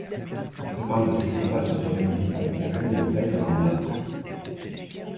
La plupart de ses combats sont organisés par les karens et en Thaïlande.